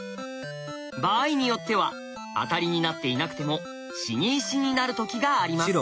場合によってはアタリになっていなくても死に石になる時があります。